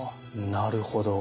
なるほど。